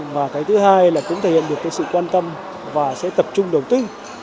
và cái thứ hai là cũng thể hiện được sự quan tâm và sẽ tập trung đầu tư